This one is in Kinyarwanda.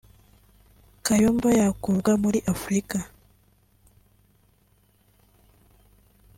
Kayumba yakurwa muri Afrika y’Epfo